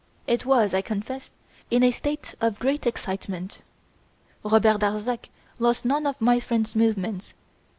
It was, I confess, in a state of great excitement. Robert Darzac lost none of my friend's movements.